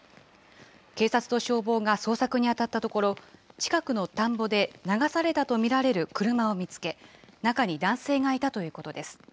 警察と消防が捜索にあたったところ、近くの田んぼで流されたと見られる車を見つけ、中に男性がいたということです。